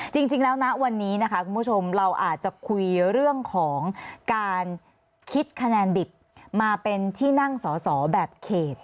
จริงแล้วนะวันนี้นะคะคุณผู้ชมเราอาจจะคุยเรื่องของการคิดคะแนนดิบมาเป็นที่นั่งสอสอแบบเขต